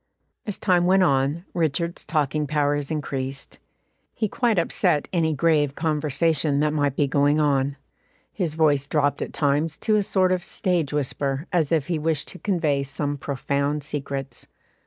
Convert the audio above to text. As time went on, Richard's talking powers increased; he quite upset any grave conversation that might be going on; his voice dropped at times to a sort of stage whisper, as if he wished to convey some profound secrets.